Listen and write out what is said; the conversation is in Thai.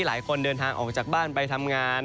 หลายคนเดินทางออกจากบ้านไปทำงาน